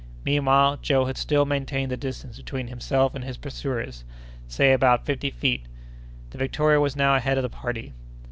Meanwhile, Joe had still maintained the distance between himself and his pursuers—say about fifty feet. The Victoria was now ahead of the party.